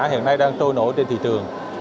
hiện nay đang trôi nổi trên thị trường